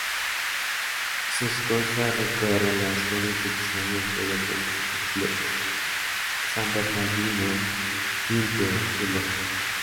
Sus costas recorren las jurisdicciones de los municipios Luque, San Bernardino, Limpio, y Emboscada.